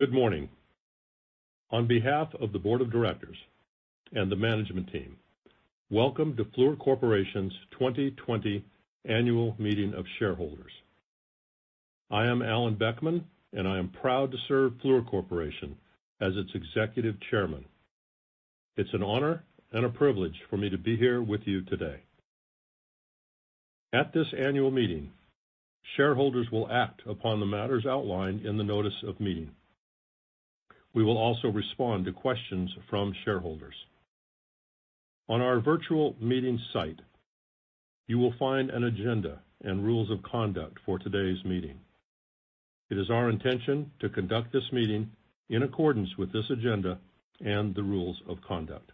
Good morning. On behalf of the board of directors and the management team, welcome to Fluor Corporation's 2020 Annual Meeting of Shareholders. I am Alan Boeckmann, and I am proud to serve Fluor Corporation as its executive chairman. It's an honor and a privilege for me to be here with you today. At this annual meeting, shareholders will act upon the matters outlined in the notice of meeting. We will also respond to questions from shareholders. On our virtual meeting site, you will find an agenda and rules of conduct for today's meeting. It is our intention to conduct this meeting in accordance with this agenda and the rules of conduct.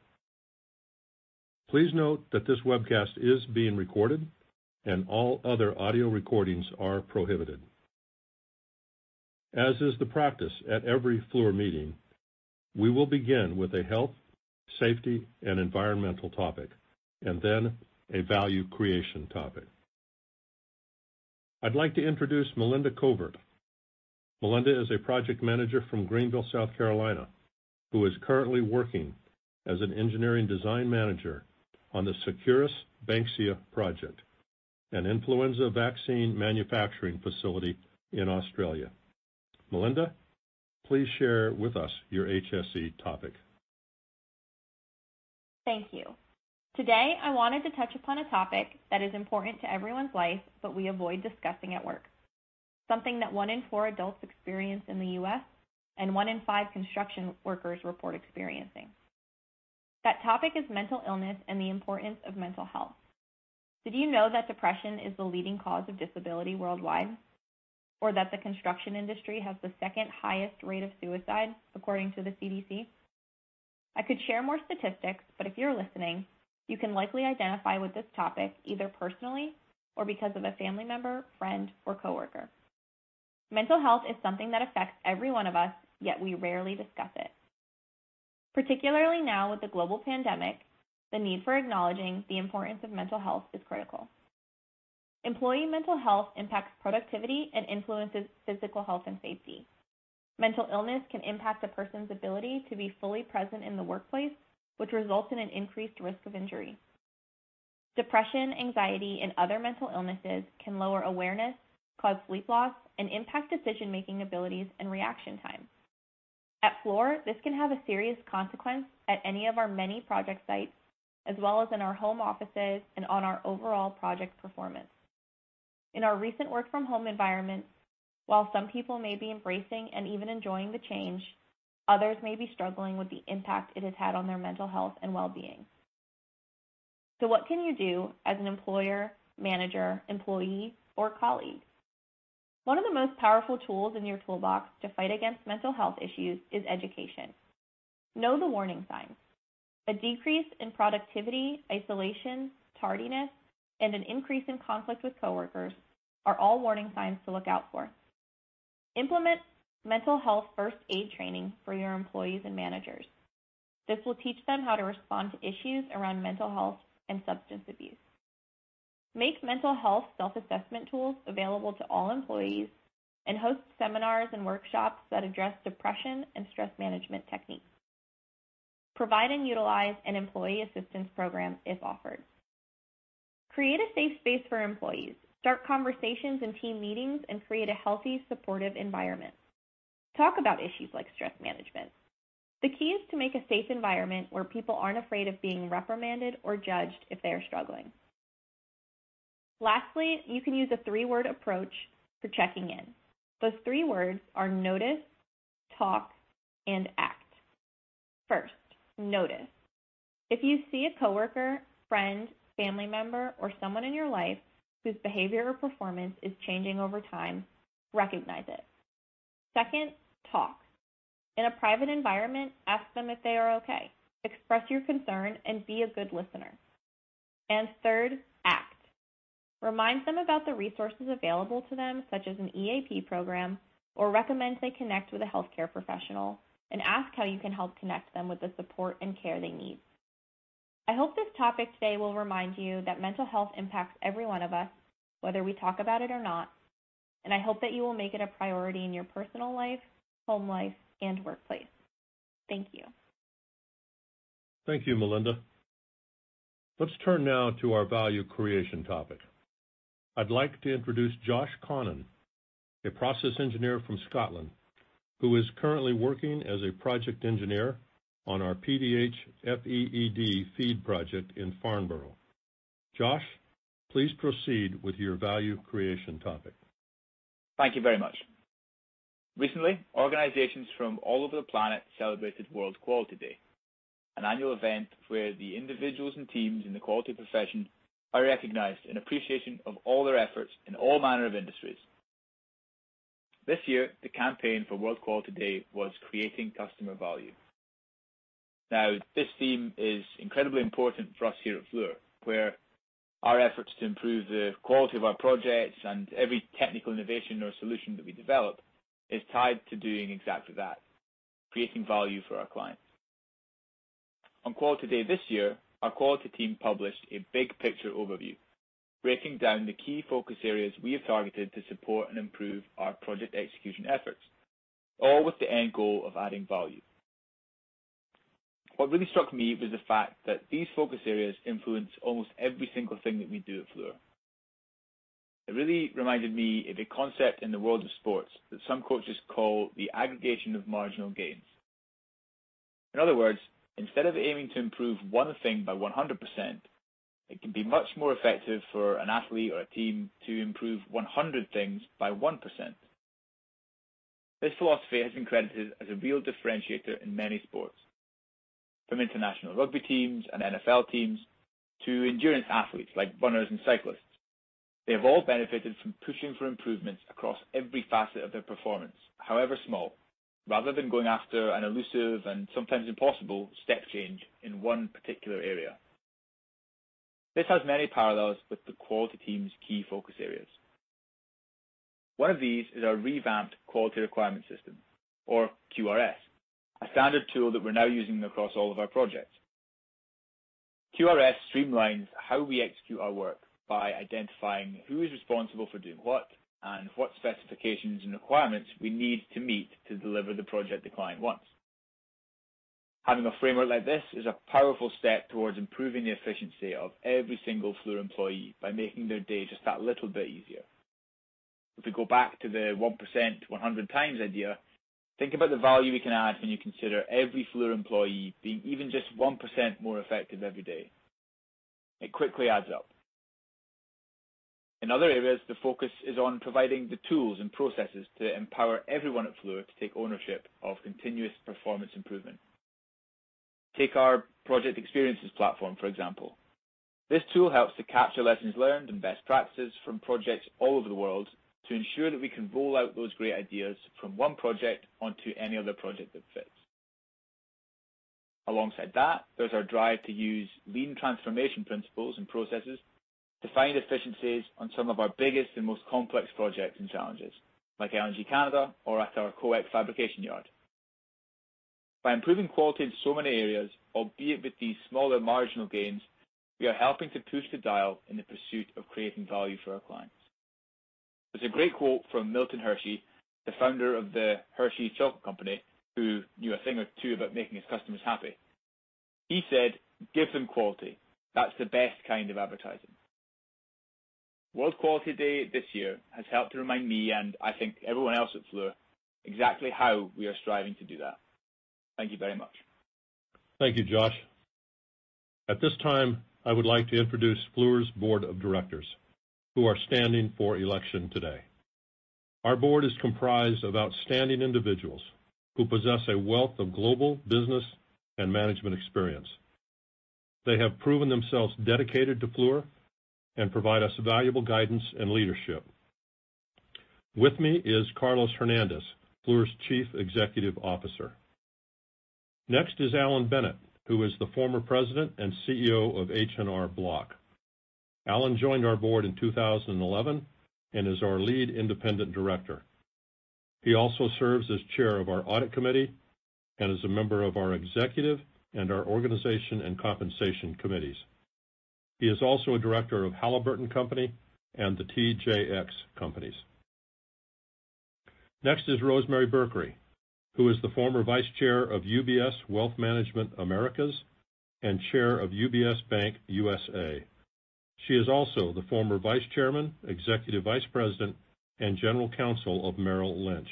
Please note that this webcast is being recorded and all other audio recordings are prohibited. As is the practice at every Fluor meeting, we will begin with a health, safety, and environmental topic, and then a value creation topic. I'd like to introduce Melinda Covert. Melinda is a project manager from Greenville, South Carolina, who is currently working as an engineering design manager on the Seqirus Banksia project, an influenza vaccine manufacturing facility in Australia. Melinda, please share with us your HSE topic. Thank you. Today, I wanted to touch upon a topic that is important to everyone's life but we avoid discussing at work. Something that one in four adults experience in the U.S., and one in five construction workers report experiencing. That topic is mental illness and the importance of mental health. Did you know that depression is the leading cause of disability worldwide? That the construction industry has the second highest rate of suicide, according to the CDC? I could share more statistics, if you're listening, you can likely identify with this topic either personally or because of a family member, friend, or coworker. Mental health is something that affects every one of us, yet we rarely discuss it. Particularly now with the global pandemic, the need for acknowledging the importance of mental health is critical. Employee mental health impacts productivity and influences physical health and safety. Mental illness can impact a person's ability to be fully present in the workplace, which results in an increased risk of injury. Depression, anxiety, and other mental illnesses can lower awareness, cause sleep loss, and impact decision-making abilities and reaction times. At Fluor, this can have a serious consequence at any of our many project sites, as well as in our home offices and on our overall project performance. In our recent work from home environment, while some people may be embracing and even enjoying the change, others may be struggling with the impact it has had on their mental health and well-being. What can you do as an employer, manager, employee, or colleague? One of the most powerful tools in your toolbox to fight against mental health issues is education. Know the warning signs. A decrease in productivity, isolation, tardiness, and an increase in conflict with coworkers are all warning signs to look out for. Implement mental health first aid training for your employees and managers. This will teach them how to respond to issues around mental health and substance abuse. Make mental health self-assessment tools available to all employees, and host seminars and workshops that address depression and stress management techniques. Provide and utilize an employee assistance program if offered. Create a safe space for employees. Start conversations in team meetings and create a healthy, supportive environment. Talk about issues like stress management. The key is to make a safe environment where people aren't afraid of being reprimanded or judged if they are struggling. Lastly, you can use a three-word approach for checking in. Those three words are notice, talk, and act. First, notice. If you see a coworker, friend, family member, or someone in your life whose behavior or performance is changing over time, recognize it. Second, talk. In a private environment, ask them if they are okay. Express your concern and be a good listener. Third, act. Remind them about the resources available to them, such as an EAP program, or recommend they connect with a healthcare professional and ask how you can help connect them with the support and care they need. I hope this topic today will remind you that mental health impacts every one of us, whether we talk about it or not, and I hope that you will make it a priority in your personal life, home life, and workplace. Thank you. Thank you, Melinda. Let's turn now to our value creation topic. I'd like to introduce Josh Connon, a process engineer from Scotland, who is currently working as a project engineer on our PDH FEED project in Farnborough. Josh, please proceed with your value creation topic. Thank you very much. Recently, organizations from all over the planet celebrated World Quality Day, an annual event where the individuals and teams in the quality profession are recognized in appreciation of all their efforts in all manner of industries. This year, the campaign for World Quality Day was creating customer value. This theme is incredibly important for us here at Fluor, where our efforts to improve the quality of our projects and every technical innovation or solution that we develop is tied to doing exactly that, creating value for our clients. On Quality Day this year, our quality team published a big picture overview, breaking down the key focus areas we have targeted to support and improve our project execution efforts, all with the end goal of adding value. What really struck me was the fact that these focus areas influence almost every single thing that we do at Fluor. It really reminded me of a concept in the world of sports that some coaches call the aggregation of marginal gains. In other words, instead of aiming to improve one thing by 100%, it can be much more effective for an athlete or a team to improve 100 things by 1%. This philosophy has been credited as a real differentiator in many sports, from international rugby teams and NFL teams to endurance athletes like runners and cyclists. They have all benefited from pushing for improvements across every facet of their performance, however small, rather than going after an elusive and sometimes impossible step change in one particular area. This has many parallels with the quality team's key focus areas. One of these is our revamped Quality Requirement System or QRS, a standard tool that we're now using across all of our projects. QRS streamlines how we execute our work by identifying who is responsible for doing what and what specifications and requirements we need to meet to deliver the project the client wants. Having a framework like this is a powerful step towards improving the efficiency of every single Fluor employee by making their day just that little bit easier. If we go back to the 1% 100 times idea, think about the value we can add when you consider every Fluor employee being even just 1% more effective every day. It quickly adds up. In other areas, the focus is on providing the tools and processes to empower everyone at Fluor to take ownership of continuous performance improvement. Take our project experiences platform, for example. This tool helps to capture lessons learned and best practices from projects all over the world to ensure that we can roll out those great ideas from one project onto any other project that fits. Alongside that, there's our drive to use lean transformation principles and processes to find efficiencies on some of our biggest and most complex projects and challenges, like LNG Canada or at our COOEC Fabrication Yard. By improving quality in so many areas, albeit with these smaller marginal gains, we are helping to push the dial in the pursuit of creating value for our clients. There's a great quote from Milton Hershey, the founder of The Hershey Company, who knew a thing or two about making his customers happy. He said, "Give them quality. That's the best kind of advertising." World Quality Day this year has helped to remind me, and I think everyone else at Fluor, exactly how we are striving to do that. Thank you very much. Thank you, Josh. At this time, I would like to introduce Fluor's board of directors who are standing for election today. Our board is comprised of outstanding individuals who possess a wealth of global business and management experience. They have proven themselves dedicated to Fluor and provide us valuable guidance and leadership. With me is Carlos Hernández, Fluor's Chief Executive Officer. Next is Alan Bennett, who is the former president and CEO of H&R Block. Alan joined our board in 2011 and is our Lead Independent Director. He also serves as Chair of our Audit Committee and is a member of our Executive and our Organization and Compensation Committees. He is also a director of Halliburton Company and The TJX Companies. Next is Rosemary Berkery, who is the former vice chair of UBS Wealth Management Americas and chair of UBS Bank USA. She is also the former vice chairman, executive vice president, and general counsel of Merrill Lynch.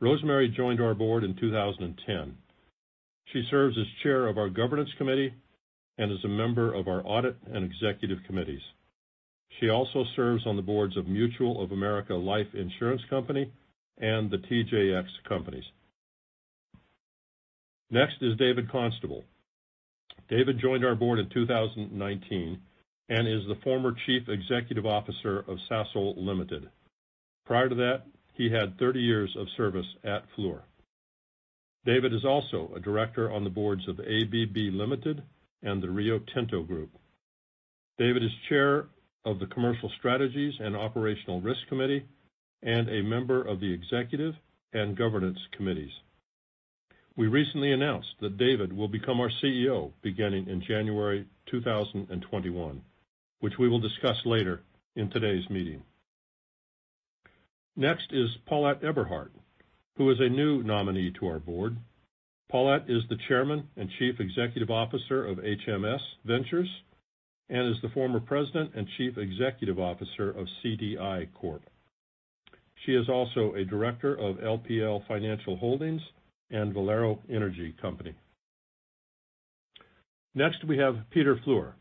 Rosemary joined our board in 2010. She serves as chair of our governance committee and is a member of our audit and executive committees. She also serves on the boards of Mutual of America Life Insurance Company and The TJX Companies. Next is David Constable. David joined our board in 2019 and is the former Chief Executive Officer of Sasol Limited. Prior to that, he had 30 years of service at Fluor. David is also a director on the boards of ABB Limited and the Rio Tinto Group. David is chair of the commercial strategies and operational risk committee and a member of the executive and governance committees. We recently announced that David will become our CEO beginning in January 2021, which we will discuss later in today's meeting. Next is Paulette Eberhart, who is a new nominee to our board. Paulette is the Chairman and Chief Executive Officer of HMS Ventures and is the former President and Chief Executive Officer of CDI Corp. She is also a director of LPL Financial Holdings and Valero Energy Company. Next, we have Peter Fluor.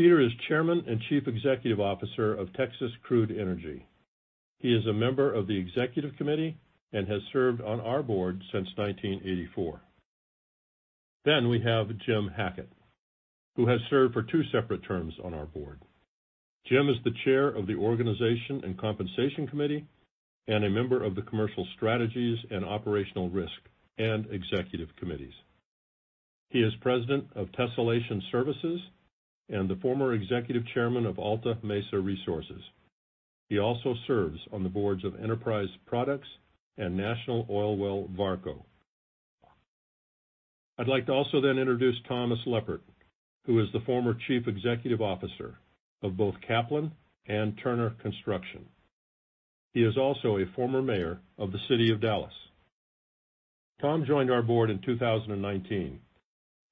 Peter is Chairman and Chief Executive Officer of Texas Crude Energy. He is a member of the Executive Committee and has served on our board since 1984. We have Jim Hackett, who has served for two separate terms on our board. Jim is the Chair of the Organization and Compensation Committee and a member of the Commercial Strategies and Operational Risk and Executive Committees. He is President of Tessellation Services and the former Executive Chairman of Alta Mesa Resources. He also serves on the boards of Enterprise Products and National Oilwell Varco. I'd like to also then introduce Thomas Leppert, who is the former Chief Executive Officer of both Kaplan, Inc. and Turner Construction. He is also a former mayor of the City of Dallas. Tom joined our board in 2019.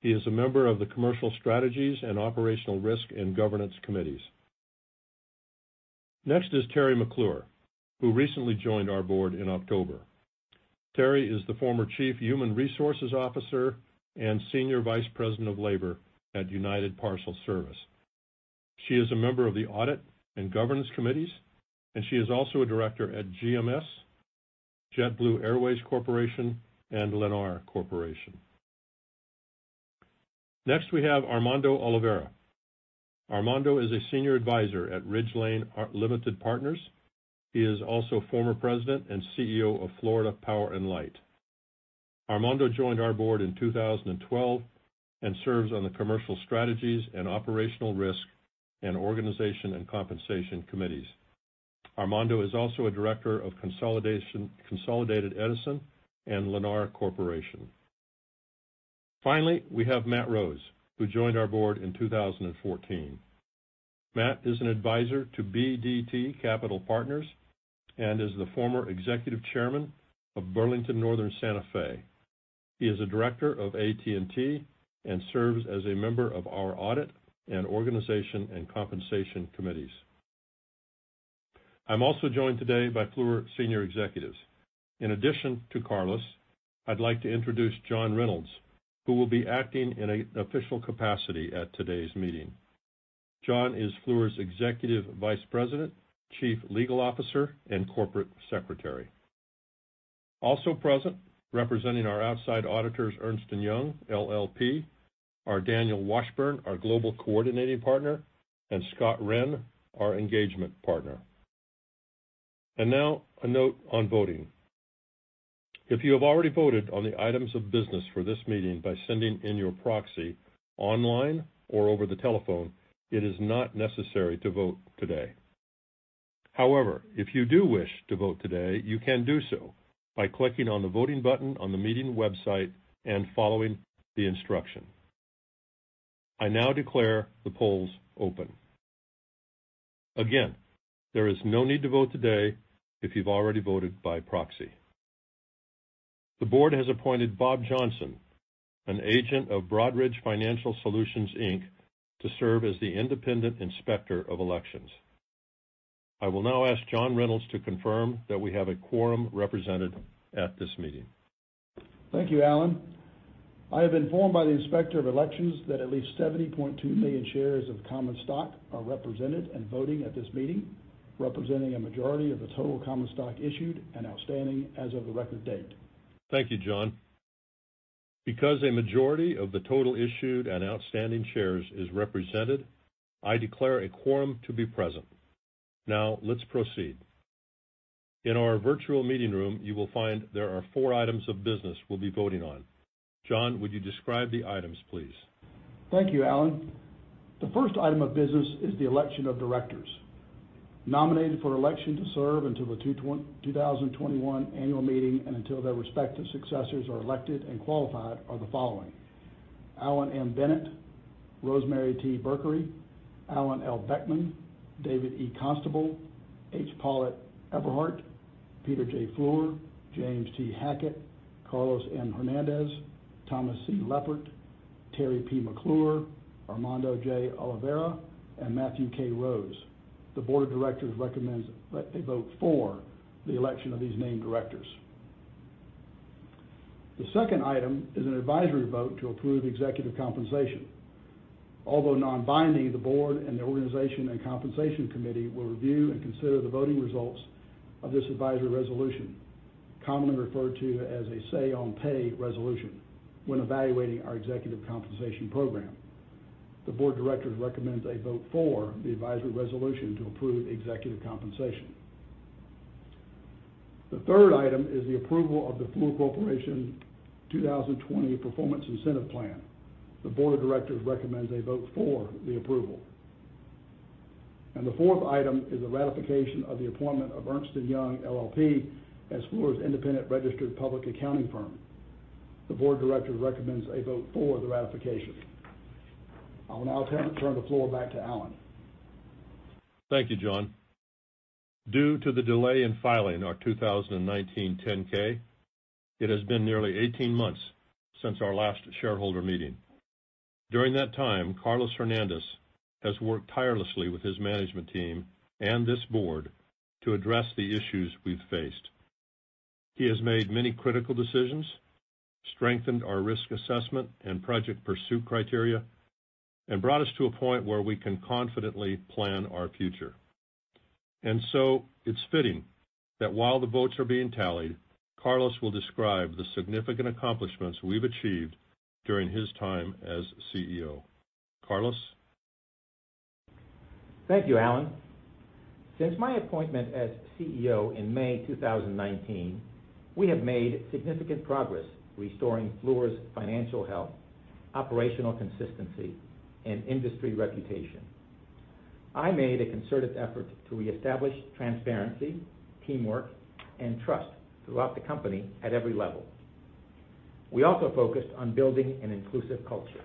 He is a member of the Commercial Strategies and Operational Risk and Governance Committees. Next is Teri McClure, who recently joined our board in October. Teri is the former Chief Human Resources Officer and Senior Vice President of Labor at United Parcel Service. She is a member of the Audit and Governance Committees, and she is also a director at GMS Inc., JetBlue Airways Corporation, and Lennar Corporation. Next, we have Armando Olivera. Armando is a senior advisor at RIDGE-LANE Limited Partners. He is also former President and CEO of Florida Power & Light Company. Armando joined our board in 2012 and serves on the Commercial Strategies and Operational Risk and Organization and Compensation Committees. Armando is also a director of Consolidated Edison and Lennar Corporation. Finally, we have Matt Rose, who joined our board in 2014. Matt is an advisor to BDT & Company and is the former Executive Chairman of Burlington Northern Santa Fe. He is a director of AT&T and serves as a member of our Audit and Organization and Compensation Committees. I'm also joined today by Fluor senior executives. In addition to Carlos, I'd like to introduce John Reynolds, who will be acting in an official capacity at today's meeting. John is Fluor's Executive Vice President, Chief Legal Officer, and Corporate Secretary. Also present, representing our outside auditors, Ernst & Young LLP, are Daniel Washburn, our Global Coordinating Partner, and Scott Wren, our Engagement Partner. Now, a note on voting. If you have already voted on the items of business for this meeting by sending in your proxy online or over the telephone, it is not necessary to vote today. However, if you do wish to vote today, you can do so by clicking on the voting button on the meeting website and following the instruction. I now declare the polls open. Again, there is no need to vote today if you've already voted by proxy. The board has appointed Bob Johnson, an agent of Broadridge Financial Solutions, Inc., to serve as the independent inspector of elections. I will now ask John Reynolds to confirm that we have a quorum represented at this meeting. Thank you, Alan. I have been informed by the Inspector of Elections that at least 70.2 million shares of common stock are represented and voting at this meeting, representing a majority of the total common stock issued and outstanding as of the record date. Thank you, John. Because a majority of the total issued and outstanding shares is represented, I declare a quorum to be present. Now, let's proceed. In our virtual meeting room, you will find there are four items of business we'll be voting on. John, would you describe the items, please? Thank you, Alan. The first item of business is the election of directors. Nominated for election to serve until the 2021 annual meeting and until their respective successors are elected and qualified are the following: Alan M. Bennett, Rosemary T. Berkery, Alan L. Boeckmann, David E. Constable, H. Paulett Eberhart, Peter J. Fluor, James T. Hackett, Carlos M. Hernández, Thomas C. Leppert, Teri P. McClure, Armando J. Olivera, and Matthew K. Rose. The Board of Directors recommends that they vote for the election of these named directors. The second item is an advisory vote to approve executive compensation. Although non-binding, the Board and the Organization and Compensation Committee will review and consider the voting results of this advisory resolution, commonly referred to as a say on pay resolution, when evaluating our executive compensation program. The Board of Directors recommends a vote for the advisory resolution to approve executive compensation. The third item is the approval of the Fluor Corporation 2020 Performance Incentive Plan. The Board of Directors recommends a vote for the approval. The fourth item is a ratification of the appointment of Ernst & Young LLP as Fluor's independent registered public accounting firm. The Board of Directors recommends a vote for the ratification. I will now turn the floor back to Alan. Thank you, John. Due to the delay in filing our 2019 10-K, it has been nearly 18 months since our last shareholder meeting. During that time, Carlos Hernández has worked tirelessly with his management team and this board to address the issues we've faced. He has made many critical decisions, strengthened our risk assessment and project pursuit criteria, and brought us to a point where we can confidently plan our future. It's fitting that while the votes are being tallied, Carlos will describe the significant accomplishments we've achieved during his time as CEO. Carlos? Thank you, Alan. Since my appointment as CEO in May 2019, we have made significant progress restoring Fluor's financial health, operational consistency, and industry reputation. I made a concerted effort to reestablish transparency, teamwork, and trust throughout the company at every level. We also focused on building an inclusive culture.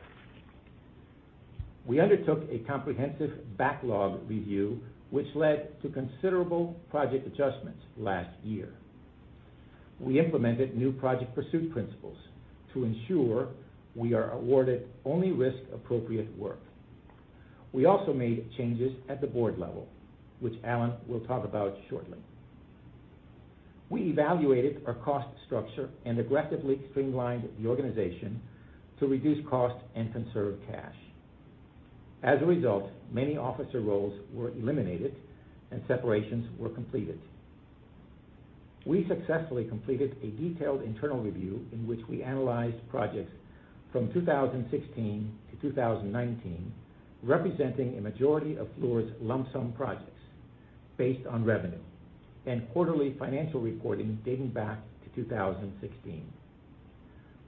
We undertook a comprehensive backlog review, which led to considerable project adjustments last year. We implemented new project pursuit principles to ensure we are awarded only risk-appropriate work. We also made changes at the board level, which Alan will talk about shortly. We evaluated our cost structure and aggressively streamlined the organization to reduce cost and conserve cash. As a result, many officer roles were eliminated and separations were completed. We successfully completed a detailed internal review in which we analyzed projects from 2016 to 2019, representing a majority of Fluor's lump sum projects based on revenue and quarterly financial reporting dating back to 2016.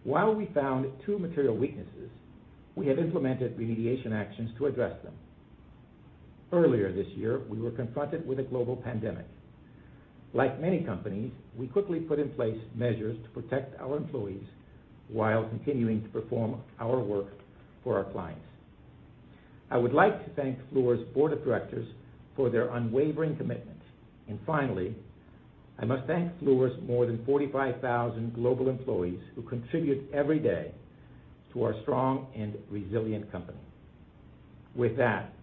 While we found two material weaknesses, we have implemented remediation actions to address them. Earlier this year, we were confronted with a global pandemic. Like many companies, we quickly put in place measures to protect our employees while continuing to perform our work for our clients. I would like to thank Fluor's Board of Directors for their unwavering commitment. Finally, I must thank Fluor's more than 45,000 global employees who contribute every day to our strong and resilient company. With that,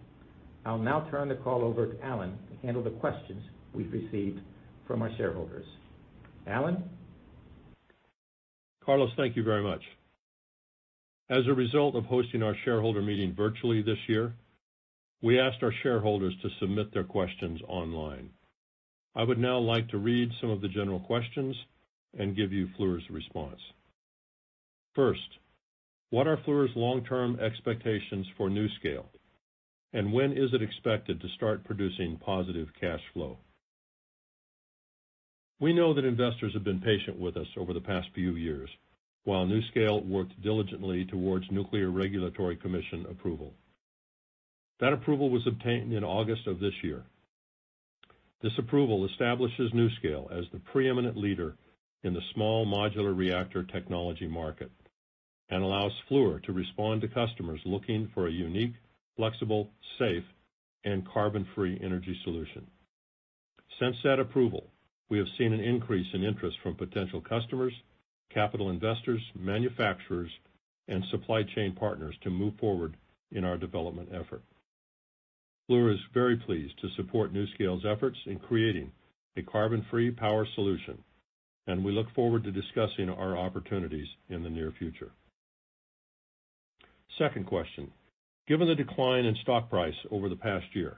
I'll now turn the call over to Alan to handle the questions we've received from our shareholders. Alan? Carlos, thank you very much. As a result of hosting our shareholder meeting virtually this year, we asked our shareholders to submit their questions online. I would now like to read some of the general questions and give you Fluor's response. First, what are Fluor's long-term expectations for NuScale, and when is it expected to start producing positive cash flow? We know that investors have been patient with us over the past few years while NuScale worked diligently towards Nuclear Regulatory Commission approval. That approval was obtained in August of this year. This approval establishes NuScale as the preeminent leader in the small modular reactor technology market and allows Fluor to respond to customers looking for a unique, flexible, safe, and carbon-free energy solution. Since that approval, we have seen an increase in interest from potential customers, capital investors, manufacturers, and supply chain partners to move forward in our development effort. Fluor is very pleased to support NuScale's efforts in creating a carbon-free power solution, and we look forward to discussing our opportunities in the near future. Second question, given the decline in stock price over the past year,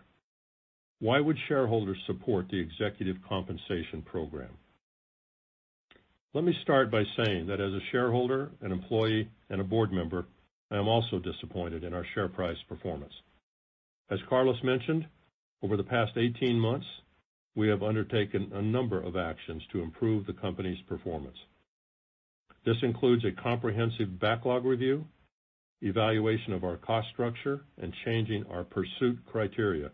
why would shareholders support the executive compensation program? Let me start by saying that as a shareholder, an employee, and a board member, I am also disappointed in our share price performance. As Carlos mentioned, over the past 18 months, we have undertaken a number of actions to improve the company's performance. This includes a comprehensive backlog review, evaluation of our cost structure, and changing our pursuit criteria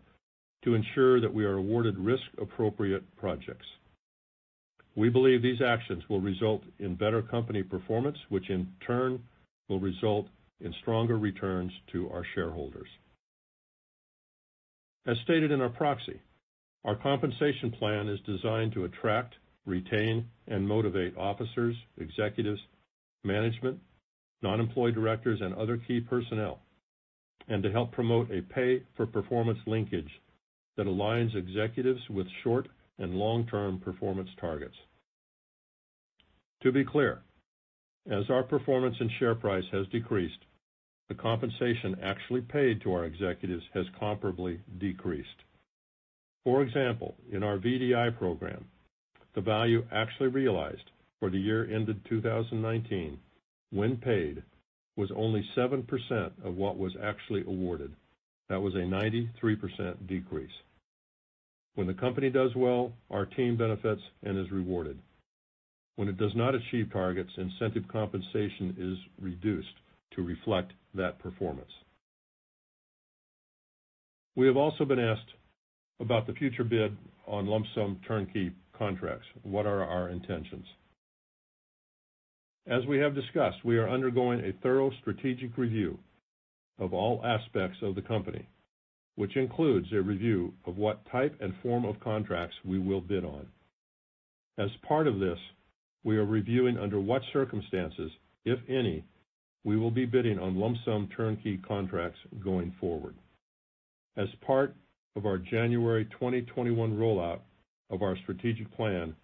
to ensure that we are awarded risk-appropriate projects. We believe these actions will result in better company performance, which in turn will result in stronger returns to our shareholders. As stated in our proxy, our compensation plan is designed to attract, retain, and motivate officers, executives, management, non-employee directors, and other key personnel, and to help promote a pay for performance linkage that aligns executives with short and long-term performance targets. To be clear, as our performance and share price has decreased, the compensation actually paid to our executives has comparably decreased. For example, in our VDI program, the value actually realized for the year ended 2019, when paid, was only 7% of what was actually awarded. That was a 93% decrease. When the company does well, our team benefits and is rewarded. When it does not achieve targets, incentive compensation is reduced to reflect that performance. We have also been asked about the future bid on lump sum turnkey contracts. What are our intentions? As we have discussed, we are undergoing a thorough strategic review of all aspects of the company, which includes a review of what type and form of contracts we will bid on. As part of this, we are reviewing under what circumstances, if any, we will be bidding on lump sum turnkey contracts going forward. As part of our January 2021 rollout of our strategic plan,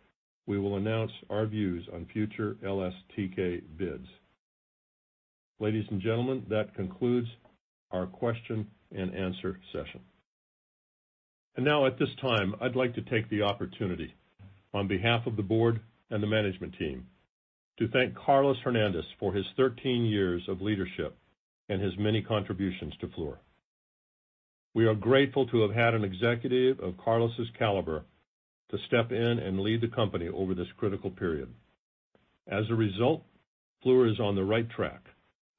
we will announce our views on future LSTK bids. Ladies and gentlemen, that concludes our question-and-answer session. Now at this time, I'd like to take the opportunity on behalf of the board and the management team to thank Carlos Hernández for his 13 years of leadership and his many contributions to Fluor. We are grateful to have had an executive of Carlos' caliber to step in and lead the company over this critical period. As a result, Fluor is on the right track,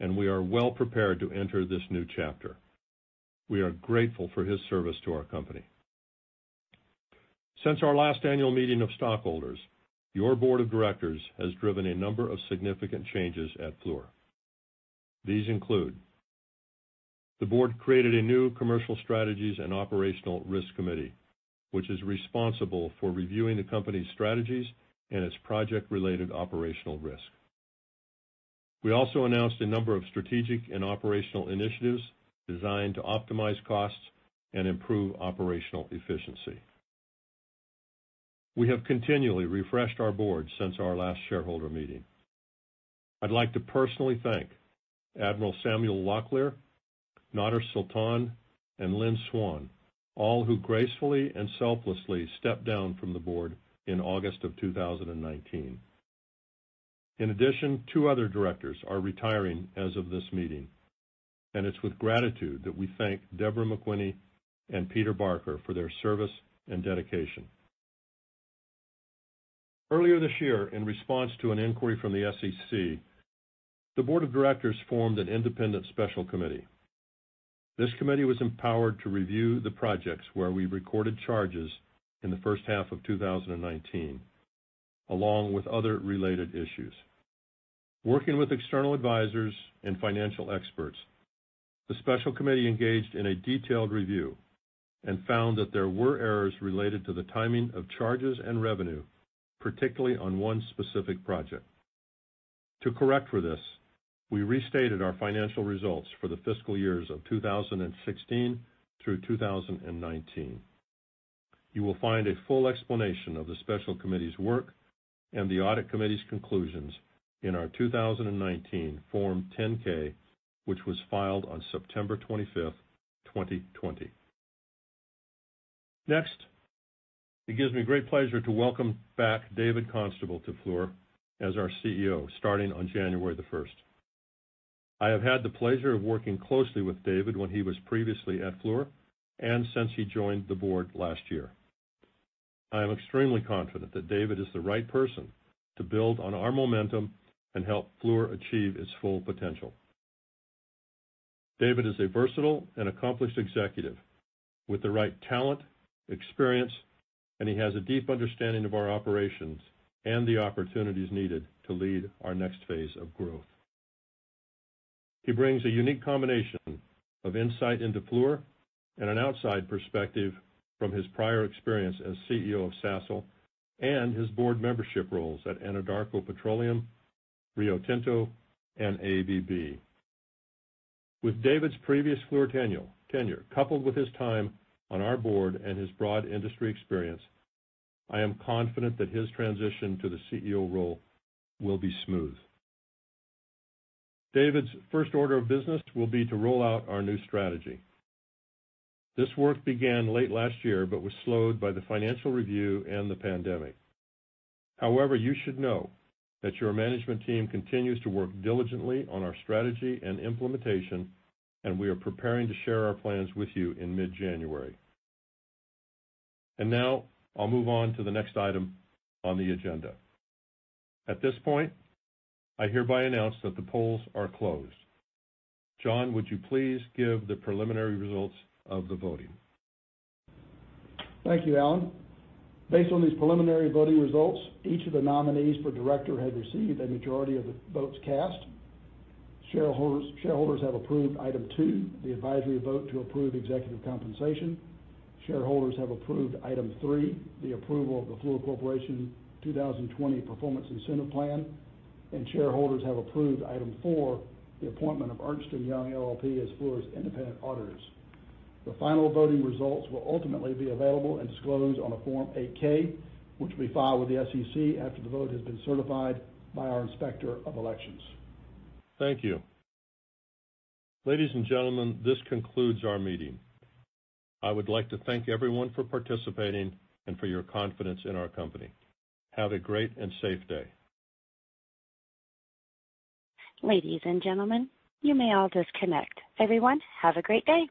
and we are well prepared to enter this new chapter. We are grateful for his service to our company. Since our last annual meeting of stockholders, your board of directors has driven a number of significant changes at Fluor. These include the board created a new Commercial Strategies and Operational Risk Committee, which is responsible for reviewing the company's strategies and its project-related operational risk. We also announced a number of strategic and operational initiatives designed to optimize costs and improve operational efficiency. We have continually refreshed our board since our last shareholder meeting. I'd like to personally thank Admiral Samuel Locklear, Nader Sultan, and Lynn Swann, all who gracefully and selflessly stepped down from the board in August of 2019. In addition, two other directors are retiring as of this meeting, and it's with gratitude that we thank Deborah McWhinney and Peter Barker for their service and dedication. Earlier this year, in response to an inquiry from the SEC, the board of directors formed an independent special committee. This committee was empowered to review the projects where we recorded charges in the first half of 2019, along with other related issues. Working with external advisors and financial experts, the special committee engaged in a detailed review and found that there were errors related to the timing of charges and revenue, particularly on one specific project. To correct for this, we restated our financial results for the fiscal years of 2016 through 2019. You will find a full explanation of the special committee's work and the audit committee's conclusions in our 2019 Form 10-K, which was filed on September 25th, 2020. It gives me great pleasure to welcome back David Constable to Fluor as our CEO starting on January 1st. I have had the pleasure of working closely with David when he was previously at Fluor and since he joined the board last year. I am extremely confident that David is the right person to build on our momentum and help Fluor achieve its full potential. David is a versatile and accomplished executive with the right talent, experience, and he has a deep understanding of our operations and the opportunities needed to lead our next phase of growth. He brings a unique combination of insight into Fluor and an outside perspective from his prior experience as CEO of Sasol and his board membership roles at Anadarko Petroleum, Rio Tinto, and ABB. With David's previous Fluor tenure, coupled with his time on our board and his broad industry experience, I am confident that his transition to the CEO role will be smooth. David's first order of business will be to roll out our new strategy. This work began late last year but was slowed by the financial review and the pandemic. However, you should know that your management team continues to work diligently on our strategy and implementation, and we are preparing to share our plans with you in mid-January. Now I'll move on to the next item on the agenda. At this point, I hereby announce that the polls are closed. John, would you please give the preliminary results of the voting? Thank you, Alan. Based on these preliminary voting results, each of the nominees for director has received a majority of the votes cast. Shareholders have approved item 2, the advisory vote to approve executive compensation. Shareholders have approved item 3, the approval of the Fluor Corporation 2020 Performance Incentive Plan. Shareholders have approved item 4, the appointment of Ernst & Young LLP as Fluor's independent auditors. The final voting results will ultimately be available and disclosed on a Form 8-K, which will be filed with the SEC after the vote has been certified by our Inspector of Elections. Thank you. Ladies and gentlemen, this concludes our meeting. I would like to thank everyone for participating and for your confidence in our company. Have a great and safe day. Ladies and gentlemen, you may all disconnect. Everyone, have a great day.